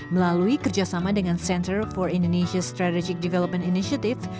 melalui kerjasama dengan center for indonesia strategic development initiative